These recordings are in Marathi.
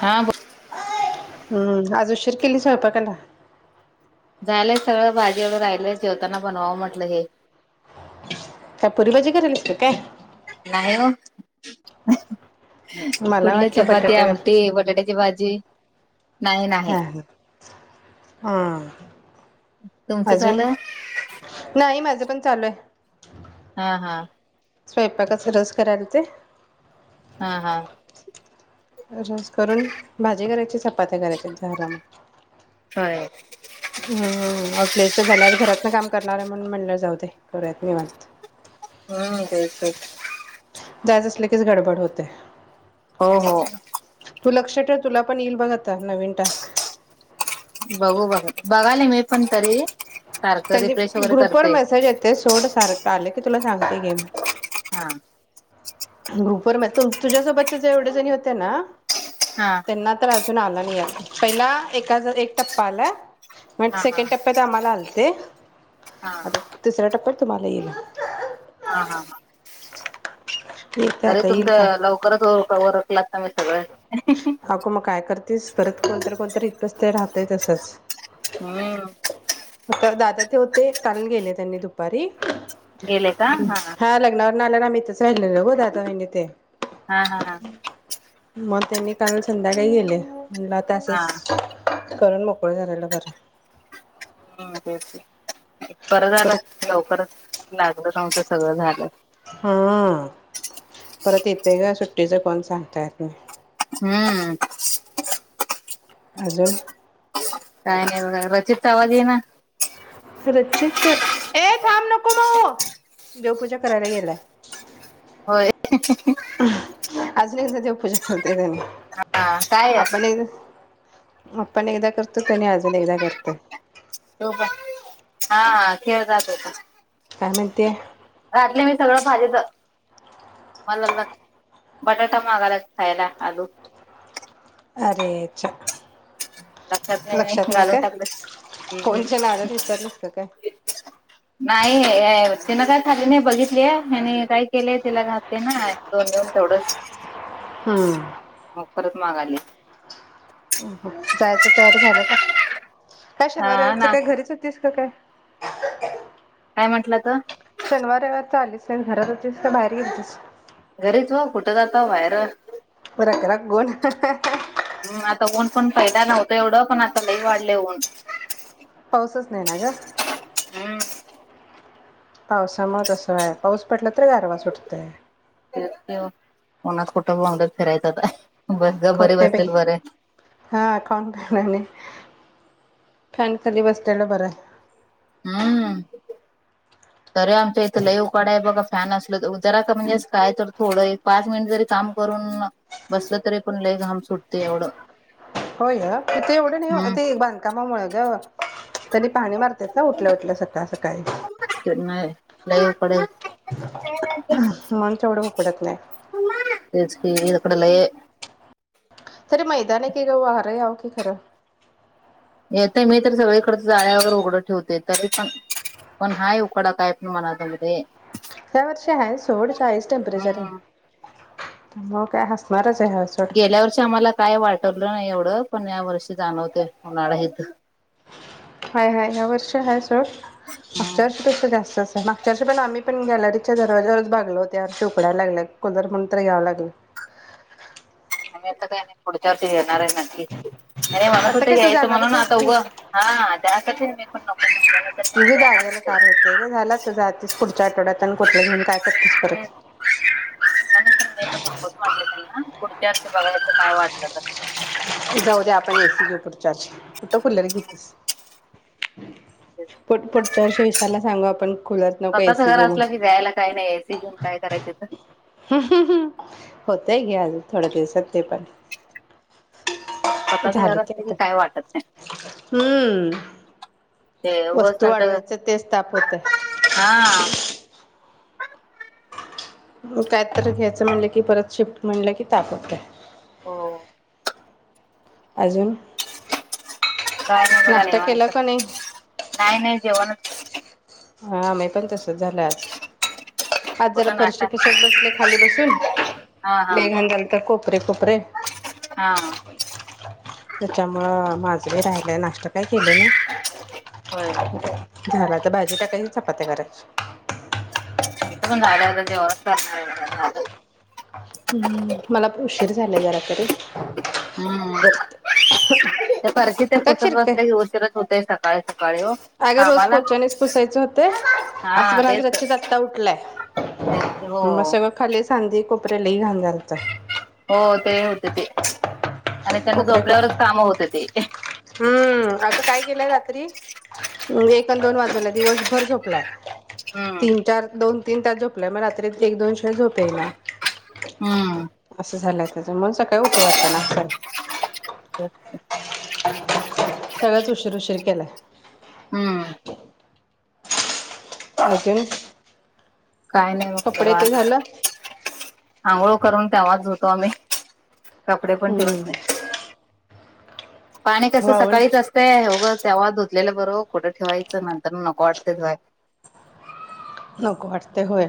हा हम्म आज उशीर काी केली स्वयंपाकाला? झालय सगळं भाजी वैगरे राहिले जेवताना बनवावं म्हटलं हे का पूरी भाजी करायलीस का काय? नाही ओ. मला कुठलं वाटलं चपाती, बटाटा घाल. आमटी, बटाट्याची भाजी नाही नाही हा ह हम तुमचं अजून झालं नाही माझं पण चालू आहे. हा हा. स्वयंपाक सगळच कराय लागतय हा हा रस करून, भाजी करायची चपात्या करायच्या झालं मग. होय हम हम आज लेट झालंय घरात न काम करणार आहे म्हणून म्हणलं जाऊ देत करुयात निवांत हम्म तेच तेच. जायच असले किच गडबड होतयं. हो हो तू लक्षात ठेव तुला पण येईल बघा आता नवीन टास्क. बघू बघा बघाल मी पण तरी सारखं रिफ्रेश त्यां वगैरे ग्रुप वर करते मेसेज येते सोड सारखं आले मी तुला सांगते घे मी हा ग्रुपवर म्या तू तुझ्यासोबतच्या ज्या जेवढ्या जणी होत्या ना?? हा त्यांना तर अजून आलं नाहीये, पहिला एक त्याचा आता एक टप्पा आलाय मग हा हा सेकंड हा टप्प्यात आम्हाला आलते आता हा तिसऱ्या टप्प्यात तुम्हाला येईल. हा हा हा [inaudible] अरे येईल तुमच थांब लवकरच उर उरकलात. आम्ही सगळे काकू मग काय करतीस परत कोणतरी कोणतरी.... तस ते राहतय तसंच. हम्म इथे होते काल गेले त्यांनी दुपारी गेले का हा हा नाल्यात आम्ही इथच राहिलेलो दादा वहिनी ते हा हा हा मग त्यांनी काल संध्याकाळी गेले मुला हा तासस करून मोकळे झालेल बर हम्म तेच ते बर झाल परत लवकरच लागलं नाव त सगळं झालं. हा हाहा परत एक त याच्या सुट्टीच कोण सांगता येत नाही. हम्म अजून काय नाय बघा रचित तवा घे ना... रचित ए थांब नको माऊ देवपूजा करायला गेलाय होय हा ह अजून एकदा देवपूजा करताेय त्यांनी.. हा काय आपण एकदा करतो त्यांनी अजून एकदा करतात टोप हा हा खेळ जा आता काय म्हणते तू रातले मी सगळं पायजत मला लय बटाटा मागालाय खायला आलू अरेच्या लक्षात नाही घालून टाकलं हम्म फोनच्या हम् नादात विसरलीस का काय नाही तिन काय खाली नाही बघितली ह्यांनी काय केलेय तिला लागते ना दोन दिवस तेवढंच. हम्म मागालिया जायचं तयारी झालं का? काय शनिवार हा रविवारची ना काय घरीच होतीस. काय म्हंटलं तर [unintelligible] शनिवार, रविवार चाललीस. की घरात होतेस का बाहेर गेलतीस? घरीच वो कुठं जाताव बाहेरअ. रक रक ऊन हम्म आता ऊन पण पहिला नव्हत एवढं पण आता लई वाढलय ऊन पाऊसच नाहीे ना ग हम् पावसामुळे तस आहे, पाऊस पडला तर गारवा सुटतोय. तेच कि ओ उन्हात कुठं बोंबलत फिरायचं आता बस गप बरी खोते बाई बसलेल बरं. हा कोण करणार नाही. फॅन खाली बसल्याल बरं हम्म तरी आमच्या येथ लय उकाडा आहे बघा फॅन असल तरी जरा का म्हणजे काय तर थोडं एक पाच मिनिट जरी काम करून बसलं तरी पण लई घाम सुटतय एवढं होय ग तिथं एवढ नाही हम्म. ते बांधकामामुळं ग त्यांनी पाणी मारत्यात ना उठल्या उठल्या सकाळ सकाळी नाही, लय उकाडा. म्हणून तेवढं उकडत नाही. तेच कि [unintelligible] तरी मैदान आहे की ग वार याव की खर येतय मी तरी सगळीकडच्या जाळ्या वगैरे उघडं ठेवतोय तरी पण पण हाय उकाडा काय पण मना ताई हया वर्षी आहे सोड चाळीस टेंपरेचर आहे. हम्म. मग काय हसणारच कि गेल्या वर्षी आम्हाला काय वाटलं नाही एवढं पण या वर्षी जाणवते उन्हाळा इथ. हाय हाय ह्या वर्षी हाय सोड मागच्या हम्म. वर्षी पेक्षा जास्तच हाय मागच्या वर्षी पण आम्ही आम्ही पण गॅलरीच्या दरवाजावरच भागल होत हयावर्षी उकडायला लागलय म्हणून तर कुलर घ्याव लागलं. आम्ही आता काय नाही पुढच्या वर्षी घेणार आहे नक्की हे म्हणत आता होते काय तू यायचं जाणारच म्हणून आहेस आता की उगं हा त्यासाठी मी पण नको म्हटंल नाही तर उगी जाणार जागायला होते कार ग झाला तर जातीस पुढच्या आठवड्यात आणि कुठला घेऊन काय करतेस परत हम मी पण नकोच म्हटलं त्यांना हे असत्यात बघा काय वाटलं तर जाऊ द्या आपण एसी घेऊ पुढच्यावर्षी कुठ कुलर घेतीस. पुढं पुढच्या वर्षी विशालला सांगू आपण कुलर नको स्वतःच एसी घर घे म्हणून. असलं की जायला काही नाही एसी घेऊन काय करायचं तर. होतय घे अजून थोड्या दिवसात ते पण स्वतःच झाले घर का असलं की आता काय वाटत नाही ते हम्म उगच वस्तू त्यांचं वाढवायच तेच ताप होतोय. हा काय तर घ्यायचं म्हणलं की परत शिफ्ट म्हणलं की ताप होतोय हो [inaudible] अजून? काय नाही बघा नाश्ता केला निवांत. का नाही, नाही जेवानच पेच [unintelligible] हा आम्ही पण तस कुठे चालला आज. आज जरा कुठं नाश्ता फरशी पुसत बसले खाली बसून. हा हा. लय घाण झालते तर कोपरे, कोपरे. हा त्याच्यामुळं माझं बी राहिलंय नाश्ता काय केले नाही. होय [inaudible] [unintelligible] झाला आता भाजी टाकायची चपात्या करायच्या थांबतो म्हणाला आता जेवणच करणार आहे त्याला साधं हम्म मला उशीर झाला जरा तरी हम्म करते. ते फरशी ते ते पुसत बसले की उशीरच होते सगळ्याला काय अग रोज पोछानीच पुसायचं होतंय. असं हा पण आज तेच रचीत आत्ता उठलाय, तेच हो मग सगळं खालीच सांदी कोपरे लई घाण झालतं. हो ते होते ते आणि त्यांना कोपरे झोपल्यावरच कोपरे कामं होते ते हम्म अग काय केलंय रात्री [unintelligible] दोन वाजूला दिवसभर झोप प्लाग हम्म तीन, चार, दोन तीन तास झोपला मग रात्री एक दोन शु नंतर झोप येईना हम्म असं झालंय त्याच्यामुळे सकाळी उठू वाटणा असं झालंय. उशीर उशीर केलाय. हम्म अजून काय नाही बघ कपडे ते झालं निवांत आंघोळ करून तेव्हाच होतो कामे कपडे पण पण ठेवते हम्म पाणी कसं वाळवण सकाळीच असतंय उगाच तेव्हाच धुतलेलं [unintelligible] बर ओ कुठे ठेवायचं नंतरन नको वाटतंय घर. नको वाटतं होय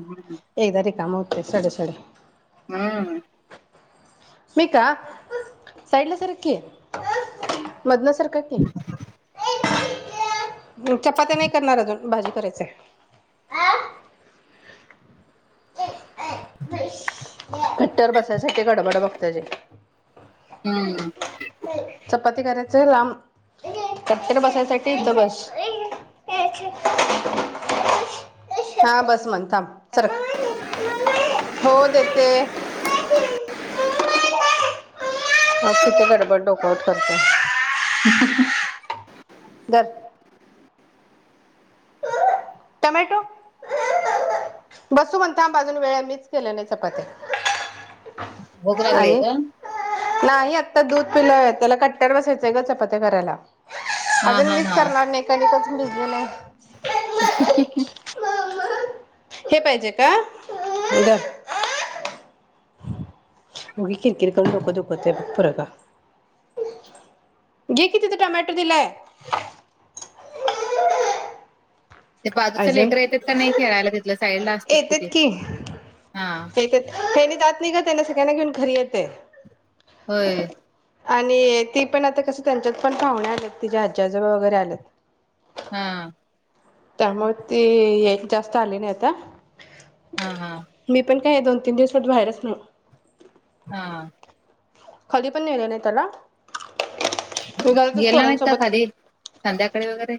हम्म एकदा रिकामा हो साडी साडी हम्म मी का साईडला सरक की. मदन सारका की चपात्या नाही करणार अजून भाजी करायचंय हा गट्टर बसायसाठी गडबड बघ त्याची हम् चपाती करायचा लांब कट्ट्यावर बसायसाठी इथं बस हा बस म्हण थांब सरक होऊ देते [inaudible] बघ किती गडबड डोकावत बसत्या हम हम ह धर टोमॅटो बसून म्हणता थांबअजून वेळ हाय मीच केल्याने चपाती भूक लागलीय का आता दूध पिलंय त्याला कट्ट् वर बसायचंय ग चपत्या करायला हा अजून हा मीच हा करणार नाही कणिक च भिजलेला आहे ही ही ही हे पाहिजे का धर होग उगाच किरकिर करू डोकं दुखतंय बरं का घे की तिथं टोमॅटो दिलाय ते बाजूच अजून लेकर येतात का नाही खेळायला तिथलंच येतेत की हा येतेत तेनी जात ठीक त्यांना सगळ्यांना घेऊन घरी येते होय आणि ती पण आता कस त्यांच्यात पण पाहुणे आलेत तिचे आज्जी आजोबा वगैरे आलेत हा त्यामुळे ते ह जास्त आले नाही आता ह ह का हे दो तीन दिवस कुठं बाहेरच नाही हा खाली पण नेलं नाही त्याला मी घरातच गेला नाहीता पोरांसोबत खाली संध्याकाळी वगैरे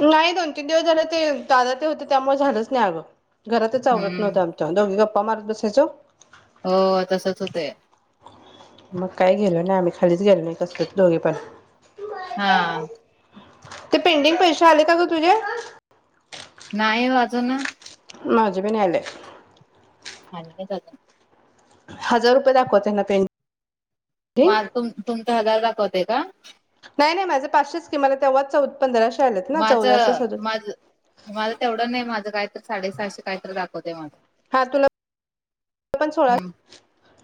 नाही दोन तीन दिवस झाले ते दादा ते होते त्यामुळे झालंच नाही अगं घरातच आवरत हम्म नव्हत आमच्या दोघी गप्पा मारत बसायचं हो तसच होतंय मग काय गेलो नाय आमी खलीच गेलो नाही कसलंच दोघी पण हा ते पेंडिंग पैसे आले का ग तुझे नाही ओ अजून माझे बी नाही आले आणि काय चाललेय हजार रुपये दाखवतयना पेंडिं माझ तुमचं तुमच हजार दाखवतय ते का नाही नाही माझे पाचशेच की तेव्हा चौदा माझं माझ माझ तेवढं नाही माझं काय [unintelligible] साडेसहाशे कायतर दाखवतेय माझं हा तुला पण हम्म सोळाशे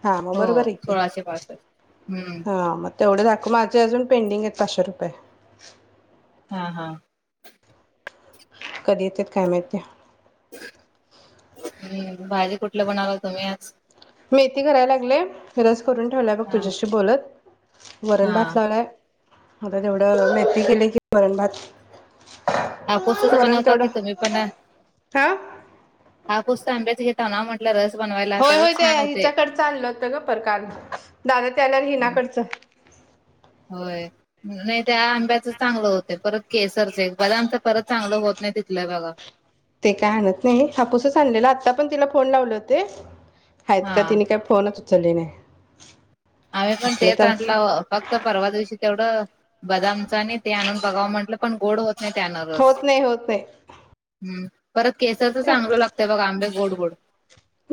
हा मग हो बरोबर आहे के सोळाशे पासष्ट हम्म हा मग तेवढे दाख माझे अजून पेंडिंग आहेत पाचशे रुपये हा हा कधी येतात काय माहिती हम् भाजी कुठलं बनवला तुम्ही आज मेथी करायला लागलेले करुन ठेवल्या बघ हा तुझ्याशी बोलत वरण हा भात लावलाय आता तेवढं मेथी केली की वरण भात हापूस वरण बनवता तेवढं की तुम्ही पण हा हापूस आंब्याच [unintelligible] त्यांना म्हटलं रस बनवायला होय त्याला होय ते छान होते हिच्याकडचं आणलं होत [unintelligible] दादा ते आल्यावर हं, हिनाकडच होय नाही त्या आंब्याच चांगलं होतय परत केसरच एक बदामच परत चांगलं होत नाही तिथल्या बघा ते काय आणत नाही हापूसच आणलेला आता पण तिला फोन लावले होते. हाएत हा का तिने काय फोनच उचलली नाही. आम्ही पण असलं तेेच तर आणल फक्त परवा दिवशी तेवढं बदामचा आणि ते आणून बघावं म्हंटलं पण गोड होत. नाही त्यानं रस होत नाही होत नाही. हम्म परत केसरचं चांगलं लागतय बघा आंबे गोड गोड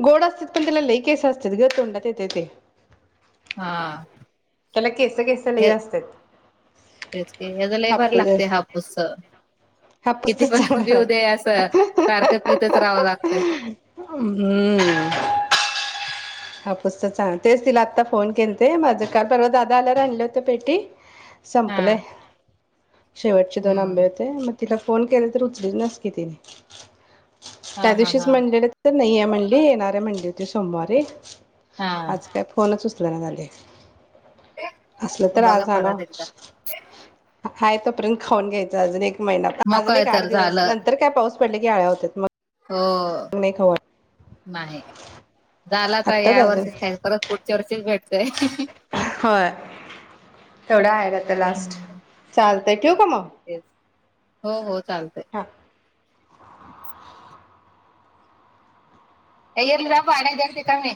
गोड असतीत पण तिला लई केस असतेत ग तोंडात येतय ते. हा त्याला केस केस लई हे असतात तेच की हयच लयभारी लागतय हापूस हापूसच हापूस तर किती पण चांगला पिऊ दे लाग असं सारखं पीतच राहावं लागते हापुसचच चांगल तेच तिला आत्ता फोन केलते माझं काल परवा दादा आल्यावर आणले होत पेटी हा संपलंय शेवटचे दोन आंबे हम्म होते मग तिला फोन केला तर उचलीनाच की ती हा त्या हा दिवशीच हा म्हणलेलं तर नाहीये म्हणली येणार आहे म्हणली. ते सोमवारी हा आज काय फोनच उचल जरा झालय. असलं तर बघा आज आणाव. परत एकदा हाय तोर्यंत खाऊन घ्यायचं अजून एक महिनाभर अजून मकय एक आठ तर दिवस झालं नंतर काय पाऊस पडले की आळ्या होत्यात मग. हो. नाही खाऊ वाटत नाही झाला होता आत्ताच या अजून वर्षीच [unintelligible] परत पुढच्या वर्षीच भेट [unintelligible] होय तेवढं आहेत आता लास्ट हम्म, चाल ठेवू का मग? तेच हो होत चालतय. हा हे घे तुला पाणी देते थांब मी